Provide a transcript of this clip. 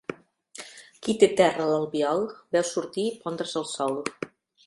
Qui té terra a l'Albiol, veu sortir i pondre's el sol.